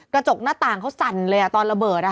กระจกหน้าต่างเขาสั่นเลยตอนระเบิด